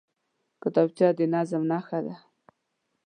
کتابچه د نظم نښه ده